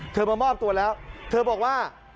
มามอบตัวแล้วเธอบอกว่า